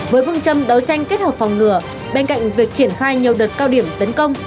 với vương châm đấu tranh kết hợp phòng ngừa bên cạnh việc triển khai nhiều đợt cao điểm tấn công